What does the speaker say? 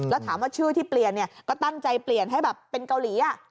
แล้วถามว่าชื่อที่เปลี่ยนเนี่ยก็ตั้งใจเปลี่ยนให้แบบเป็นเกาหลี